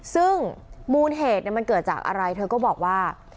ซึ่งมูลเหตุมันเกิดจากอะไรเธอก็บอกว่า